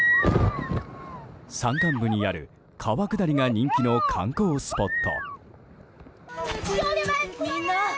山間部にある川下りが人気の観光スポット。